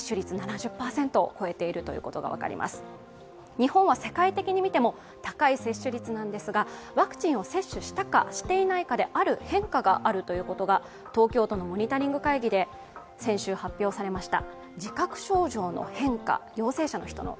日本は世界的に見ても高い接種率なんですが、ワクチンを接種したか、していないかである変化が分かるということが、東京都のモニタリング会議で先週発表されました。